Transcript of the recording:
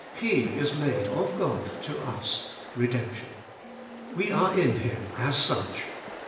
He is made of God to us redemption. We are in Him as such.